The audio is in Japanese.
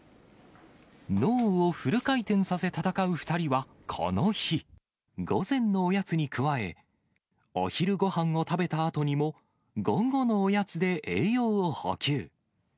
脳をフル回転させ戦う２人はこの日、午前のおやつに加え、お昼ごはんを食べたあとにも、午後のおやつで栄養を補給。